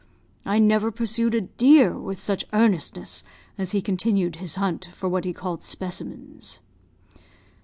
I never pursued a deer with such earnestness as he continued his hunt for what he called 'specimens.'